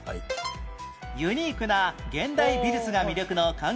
ユニークな現代美術が魅力の観光スポット